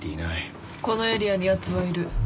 このエリアにやつはいる。